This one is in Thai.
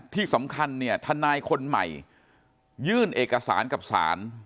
ที่สำคัญเนี่ยทนายคนใหม่ยื่นเอกสารกับศาล